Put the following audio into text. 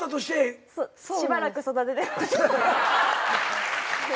しばらく育ててました。